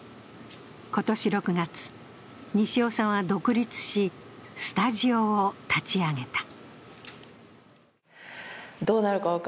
今年６月、西尾さんは独立しスタジオを立ち上げた。